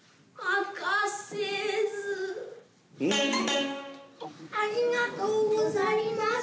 ありがとうございます。